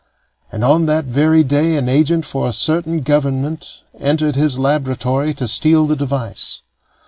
And on that very day an agent for a certain government entered his laboratory to steal the device.